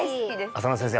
浅野先生